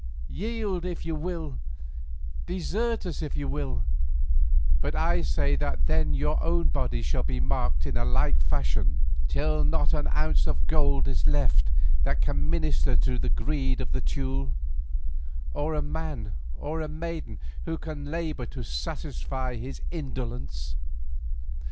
Yield if you will, desert us if you will, but I say that then your own bodies shall be marked in a like fashion, till not an ounce of gold is left that can minister to the greed of the Teule, or a man or a maiden who can labour to satisfy his indolence."